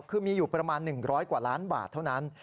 คือมีอยู่ประมาณ๑๐๐กว่าล้านบาทเท่านั้น